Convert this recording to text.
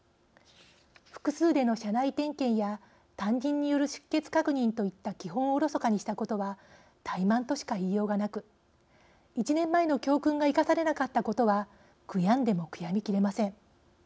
複数での車内点検や担任による出欠確認といった基本をおろそかにしたことは怠慢としか言いようがなく１年前の教訓が生かされなかったことは悔やんでも悔やみきれません。